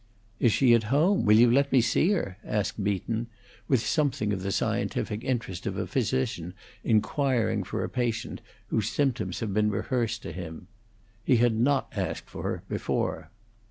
"Is she at home? Will you let me see her?" asked Beacon, with something of the scientific interest of a physician inquiring for a patient whose symptoms have been rehearsed to him. He had not asked for her before.